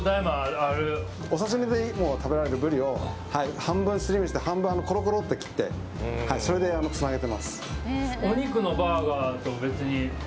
お刺し身で食べられるブリを半分すり身にして半分コロコロって切ってそれでつなげてます。